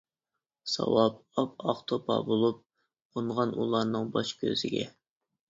ساۋاپ ئاپئاق توپا بولۇپ، قونغان ئۇلارنىڭ باش-كۆزىگە.